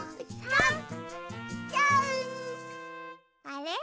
あれ？